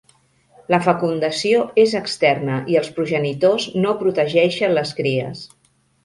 La fecundació és externa i els progenitors no protegeixen les cries.